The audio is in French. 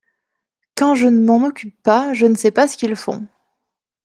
Quand je ne m’en occupe pas je ne sais pas ce qu’ils font.